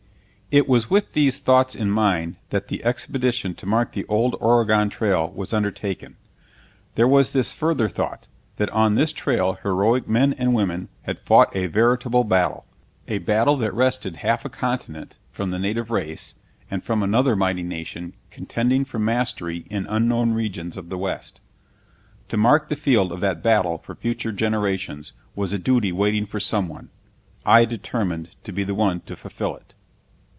It was with these thoughts in mind that the expedition to mark the old Oregon Trail was undertaken. There was this further thought, that on this trail heroic men and women had fought a veritable battle a battle that wrested half a continent from the native race and from another mighty nation contending for mastery in unknown regions of the West. To mark the field of that battle for future generations was a duty waiting for some one; I determined to be the one to fulfill it.